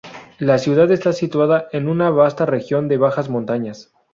La ciudad está situada en una vasta región de bajas montañas.